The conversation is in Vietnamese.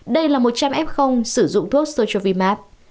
đây là một trăm linh f sử dụng thuốc sochovimax